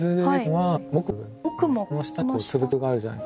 はい。